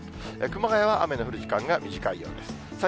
熊谷は雨の降る時間が短いようです。